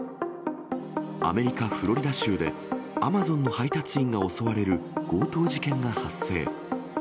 アメリカ・フロリダ州で、アマゾンの配達員が襲われる強盗事件が発生。